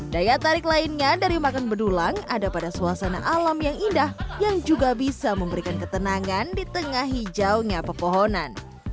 daya tarik lainnya dari makan bedulang ada pada suasana alam yang indah yang juga bisa memberikan ketenangan di tengah hijaunya pepohonan